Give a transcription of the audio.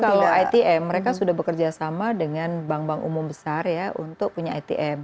sejauh ini sih kalau itm mereka sudah bekerjasama dengan bank bank umum besar ya untuk punya itm